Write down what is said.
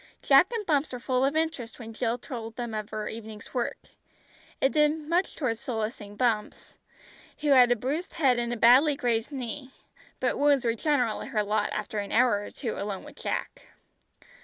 Jack and Bumps were full of interest when Jill told them of her evening's work. It did much towards solacing Bumps, who had a bruised head and a badly grazed knee, but wounds were generally her lot after an hour or two alone with Jack.